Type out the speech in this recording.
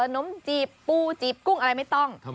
นมจีบปูจีบกุ้งอะไรไม่ต้อง